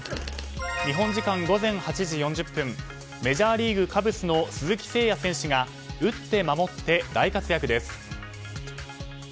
日本時間午前８時４０分メジャーリーグ、カブスの鈴木誠也選手が打って守って大活躍です。